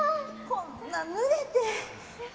こんな、ぬれて。